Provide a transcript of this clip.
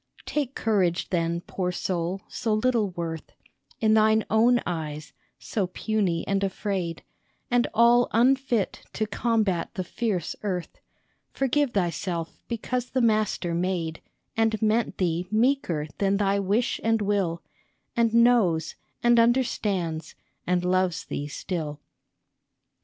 Take courage then, poor soul, so little worth In thine own eyes, so puny and afraid, And all unfit to combat the fierce earth ; Forgive thyself because the Master made And meant thee meeker than thy wish and will, And knows, and understands, and loves thee still.